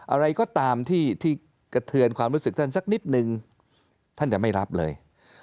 อะไรก็ตามที่กระเทือนความรู้สึกท่านสักนิดนึงท่านจะไม่รับเลย